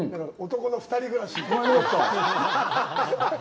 男の２人暮らし。